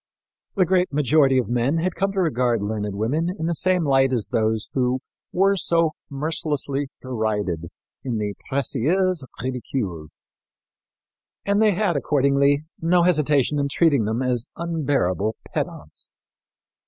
The great majority of men had come to regard learned women in the same light as those who were so mercilessly derided in the Précieuses Ridicules; and they had, accordingly, no hesitation in treating them as unbearable pedants.